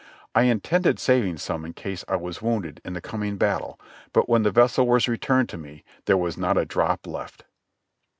I intended saving some in case I was wounded in the coming battle, but when the vessel was returned to me there was not a drop left.